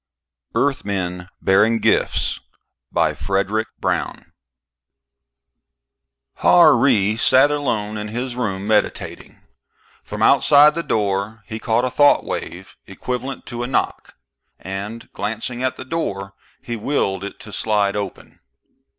EARTHMEN BEARING GIFTS By FREDRIC BROWN Illustrated by CARTER Dhar Ry sat alone in his room, meditating. From outside the door he caught a thought wave equivalent to a knock, and, glancing at the door, he willed it to slide open.